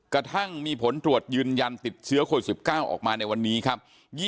กระทั่งมีผลตรวจยืนยันติดเชื้อโควิด๑๙ออกมาในวันนี้ครับ